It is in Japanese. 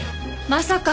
まさか。